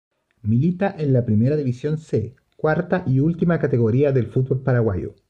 Milita en la Primera División C, cuarta y última categoría del fútbol paraguayo.